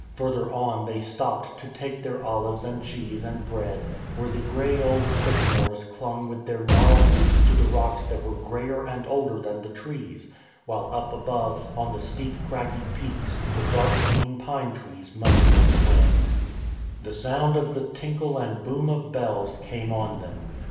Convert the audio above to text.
Further on they stopped to take their olives and cheese and bread, where the grey old sycamores clung with their gnarled roots to the rocks that were greyer and older than the trees ; while up above on the steep craggy peaks, the dark green pine trees moaned in the wind, FINDING A SON 171 The sound of the tinkle and boom of bells came on them.